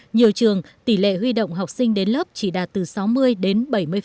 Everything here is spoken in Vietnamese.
nhiều trường tỷ lệ huy động học sinh đến lớp chỉ đạt từ sáu mươi đến bảy mươi